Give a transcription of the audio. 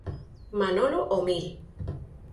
Manolo Omil.